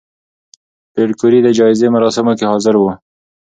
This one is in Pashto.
پېیر کوري د جایزې مراسمو کې حاضر و؟